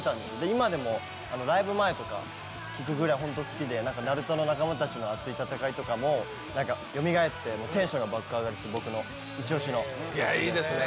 今でもライブ前とか聴くくらいホント好きで、ナルトの仲間たちの熱い戦いとかもよみがえってテンションが爆上がりする僕のイチオシの。